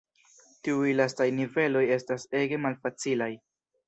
Tiuj lastaj niveloj estas ege malfacilaj.